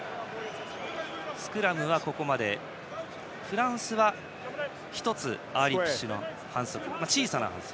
スクラムはここまでフランスは１つアーリープッシュの小さな反則。